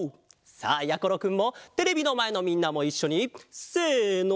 さあやころくんもテレビのまえのみんなもいっしょにせの！